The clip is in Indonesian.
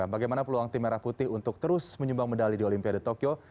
bagaimana peluang tim merah putih untuk terus menyumbang medali di olimpiade tokyo